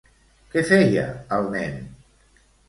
Què feia el nen?